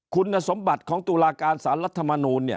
คุณสมบัติของตุลาการสารรัฐมนูล